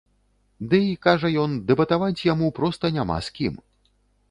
Дый, кажа ён, дэбатаваць яму проста няма з кім.